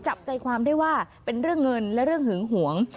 จับใจความได้ว่าเป็นเรื่องเงินและเรื่องหึงหวง